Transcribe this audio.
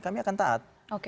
kami akan taat